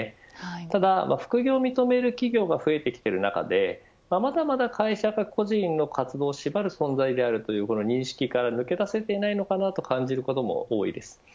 ただ副業を認める企業が増えてきている中でまだまだ会社が個人の活動を縛る存在であるという認識から抜け出せていないのかなと感じることも多いです。